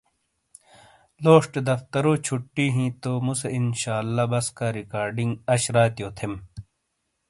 لوشٹے دفترو چھُٹی ہیں تو موسے انشااللہ بَسکا ریکارڈنگ اش راتیو تھیم ۔